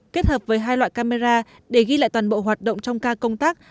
kết hợp với hai loại camera để ghi lại toàn bộ hoạt động trong ca công tác